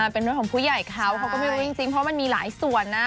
เป็นรถของผู้ใหญ่เขาเขาก็ไม่รู้จริงเพราะมันมีหลายส่วนนะ